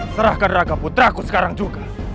serahkan raga putra aku sekarang juga